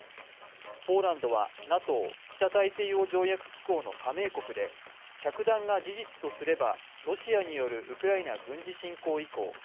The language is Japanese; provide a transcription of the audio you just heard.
ポーランドはＮＡＴＯ＝北大西洋条約機構の加盟国で、着弾が事実とすればロシアによるウクライナ軍事侵攻以降